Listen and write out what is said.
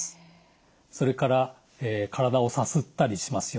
それから体をさすったりしますよね。